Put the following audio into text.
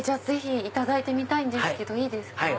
ぜひいただいてみたいんですけどいいですか？